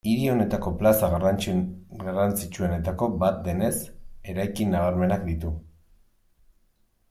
Hiri honetako plaza garrantzitsuenetako bat denez, eraikin nabarmenak ditu.